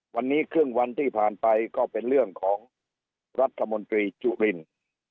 วันนี้ครึ่งวันที่ผ่านไปก็เป็นเรื่องของรัฐมนตรีจุลิน